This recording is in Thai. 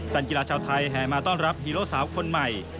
กีฬาชาวไทยแห่มาต้อนรับฮีโร่สาวคนใหม่